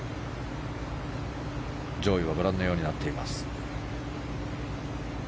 上位はご覧のようになっています。